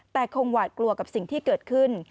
แต่คงหวาดกลัวกับสิ่งที่เกิดขึ้น